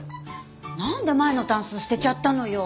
なんで前のタンス捨てちゃったのよ？